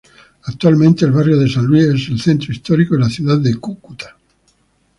Actualmente el Barrio San Luis es el centro histórico de la ciudad de Cúcuta.